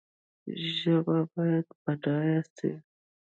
ژبه باید بډایه سي